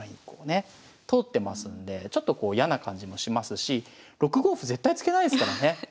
こうね通ってますんでちょっとこう嫌な感じもしますし６五歩絶対突けないですからね。